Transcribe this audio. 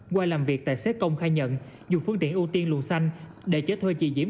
qua làm việc tài xế công khai nhận dùng phương tiện ưu tiên luồng xanh để chở thuê chị diễm